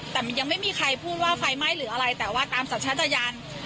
แต่มันยังไม่มีใครพูดว่าไฟไหม้หรืออะไรแต่ว่าตามสัชชาตญาณ